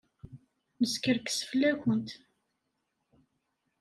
Neskerkes fell-awent.